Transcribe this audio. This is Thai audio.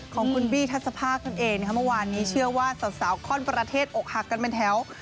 ของคุณบี้ทัศภาคนั่นเองเมื่อวานนี้เชื่อว่าสาวข้อนประเทศอกหักกันเป็นแถว